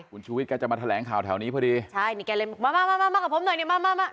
คุณชูวิทย์แกจะมาแถลงข่าวแถวนี้พอดีใช่นี่แกเลยมามากับผมหน่อยนี่มามา